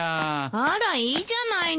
あらいいじゃないの。